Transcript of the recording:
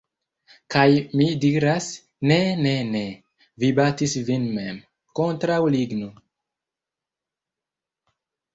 Kaj mi diras: "Ne ne ne! Vi batis vin mem! Kontraŭ ligno."